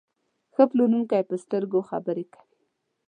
ښه پلورونکی په سترګو خبرې کوي.